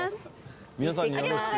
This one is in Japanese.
皆さんによろしく。